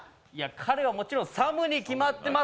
彼はもちろんＳＡＭに決まってます